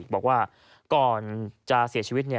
บอกว่าก่อนจะเสียชีวิต